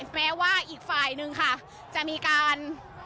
แม้ว่าอีกฝ่ายหนึ่งค่ะจะมีการ